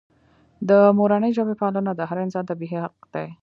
د مورنۍ ژبې پالنه د هر انسان طبیعي حق دی.